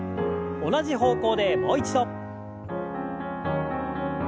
同じ方向でもう一度。